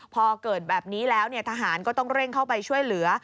พอเกิดแบบนี้แล้วทหารก็ต้องเร่งเข้าไปช่วยเหลือ